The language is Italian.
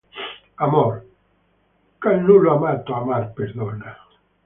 Amor, ch'a nullo amato amar perdona